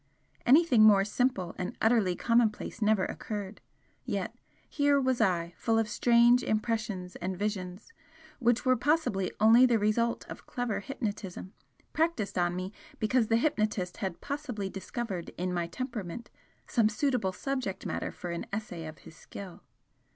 Anything more simple and utterly commonplace never occurred, yet, here was I full of strange impressions and visions, which were possibly only the result of clever hypnotism, practised on me because the hypnotist had possibly discovered in my temperament some suitable 'subject' matter for an essay of his skill.